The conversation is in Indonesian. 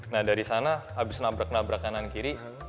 nah dari sana habis nabrak nabrak kanan kiri